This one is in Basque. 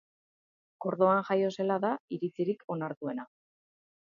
Kordoban jaio zela da iritzirik onartuena.